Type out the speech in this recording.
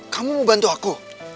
kamu mau bantu aku